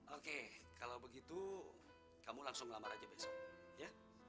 oke kalau begitu kamu langsung laman aja besok ya